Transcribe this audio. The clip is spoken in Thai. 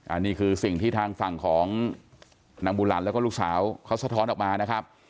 อันนี้คือสิ่งที่ทางฝั่งของนางบุหลันแล้วก็ลูกสาวเขาสะท้อนออกมานะครับ